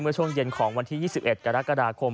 ช่วงเย็นของวันที่๒๑กรกฎาคม